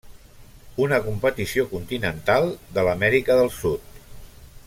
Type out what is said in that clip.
Una competició continental de l'Amèrica del sud.